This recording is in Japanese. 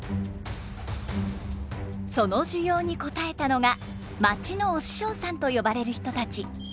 その需要に応えたのが町のお師匠さんと呼ばれる人たち。